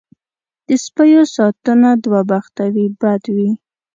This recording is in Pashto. دې سپیو ساتنه دوه بخته وي بد وي.